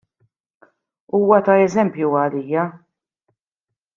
Huwa ta' eżempju għalija.